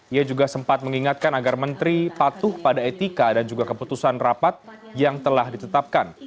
ia juga sempat mengingatkan agar menteri patuh pada etika dan juga keputusan rapat yang telah ditetapkan